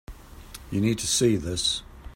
You need to see this.